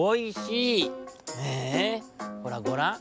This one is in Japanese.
へえほらごらん。